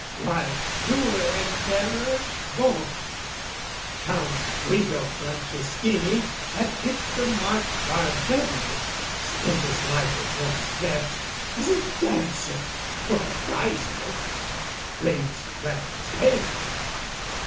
why, doer and darer both, Count Guido Franceschini had hit the mark Far better, spent his life with more effect, As a dancer or a prizer, trades that pay!